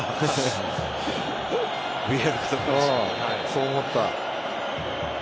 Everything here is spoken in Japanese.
そう思った。